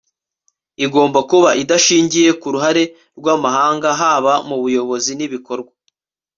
igomba kuba idashingiye ku ruhare rw'amahanga haba mu buyozi n'ibikorwa